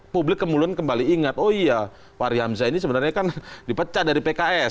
publik kemudian kembali ingat oh iya fahri hamzah ini sebenarnya kan dipecat dari pks